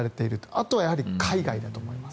あとは海外だと思います。